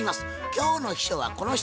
今日の秘書はこの人。